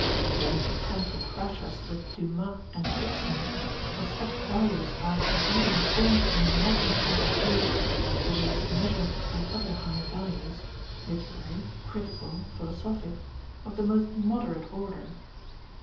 Don't attempt to crush us with Dumas and Ibsen, for such values are from any informed and enlightened point of view, that is measured by other high values, literary, critical, philosophic, of the most moderate order.